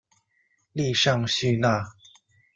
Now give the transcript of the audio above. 利尚叙纳。